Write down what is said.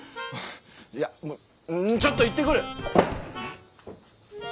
いやもうちょっと行ってくる！